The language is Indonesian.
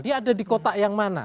dia ada di kota yang mana